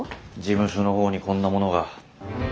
事務所の方にこんなものが。